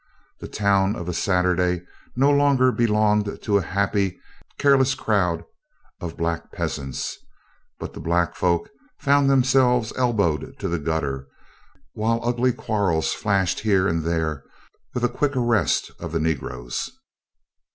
The town of a Saturday no longer belonged to a happy, careless crowd of black peasants, but the black folk found themselves elbowed to the gutter, while ugly quarrels flashed here and there with a quick arrest of the Negroes.